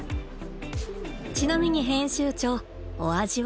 ちなみに編集長お味は？